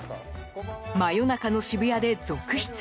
真夜中の渋谷で続出。